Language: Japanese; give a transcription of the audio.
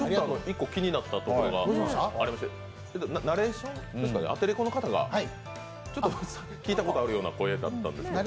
１個気になったところがありましてナレーションですかね、アテレコの方が、ちょっと聞いたことあるような声だったんですけど。